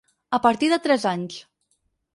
A partir de tres anys.